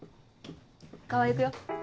川合行くよ。